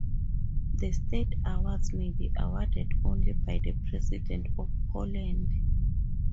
The state awards may be awarded only by the President of Poland.